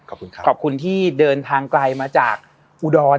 ขอบคุณครับขอบคุณที่เดินทางไกลมาจากอุดร